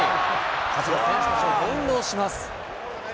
風が選手たちを翻弄します。